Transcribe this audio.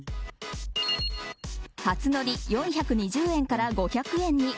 初乗り４２０円から５００円に。